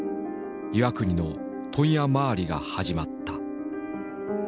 岩國の問屋回りが始まった。